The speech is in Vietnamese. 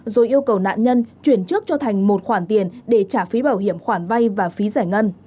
rồi yêu cầu nạn nhân chuyển trước cho thành một khoản tiền để trả phí bảo hiểm khoản vay và phí giải ngân